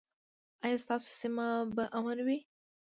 ایا ستاسو سیمه به امن وي؟